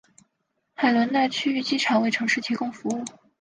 海伦娜区域机场为城市提供服务。